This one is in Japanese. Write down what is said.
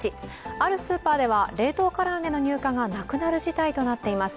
あるスーパーでは冷凍唐揚げの入荷がなくなる事態となっています。